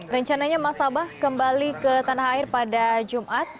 rencananya mas amah kembali ke tanah air pada jumat